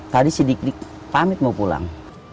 tadi si dik dik pamit mau pulang